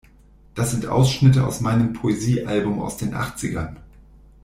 Das sind Ausschnitte aus meinem Poesiealbum aus den achzigern.